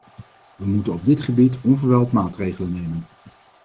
We moeten op dit gebied onverwijld maatregelen nemen.